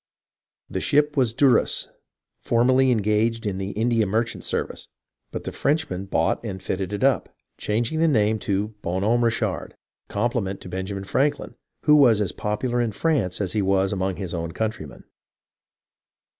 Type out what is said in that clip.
The ship was the Duras, formerly engaged in the India merchant service, but the French men bought and fitted it up, changing the name to Boji Homme Richard, as a compliment to Benjamin Franklin, who was as popular in France as he was among his own countrymen.